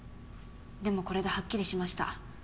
でもこれではっきりしました。